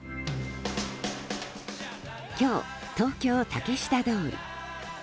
今日、東京・竹下通り。